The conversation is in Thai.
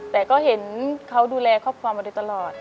แต่ก็เห็นเขาดูแลครอบครัวมาโดยตลอด